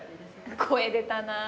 声出たなぁ。